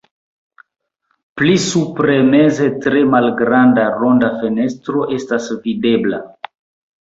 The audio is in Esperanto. Pli supre meze tre malgranda ronda fenestro estas videbla.